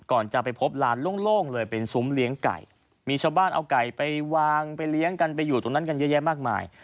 จะไปพบลานโล่งเลยเป็นซุ้มเลี้ยงไก่มีชาวบ้านเอาไก่ไปวางไปเลี้ยงกันไปอยู่ตรงนั้นกันเยอะแยะมากมาย